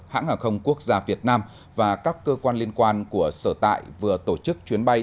hãng hàng không quốc gia việt nam và các cơ quan liên quan của sở tại vừa tổ chức chuyến bay